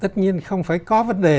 tất nhiên không phải có vấn đề